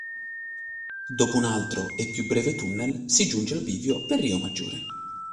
Dopo un altro e più breve tunnel si giunge al bivio per Riomaggiore.